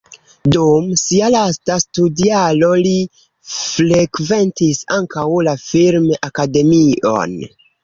Dum sia lasta studjaro li frekventis ankaŭ la film-akademion.